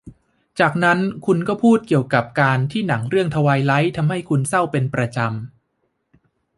จากนั้นคุณก็พูดเกี่ยวกับการที่หนังเรื่องทไวไลท์ทำให้คุณเศร้าเป็นประจำ